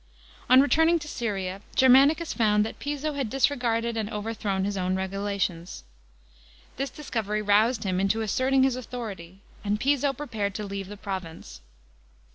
On returning to Syria, Germanicus found that Piso had disregarded and overthrown his own regulations. This discovery roused him into asserting his authority, and Piso prepared to leave the province.